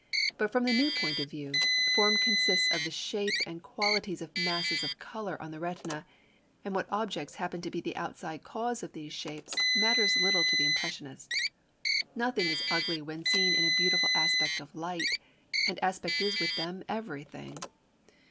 But from the new point of view, form consists of the shape and qualities of masses of colour on the retina; and what objects happen to be the outside cause of these shapes matters little to the impressionist. Nothing is ugly when seen in a beautiful aspect of light, and aspect is with them everything.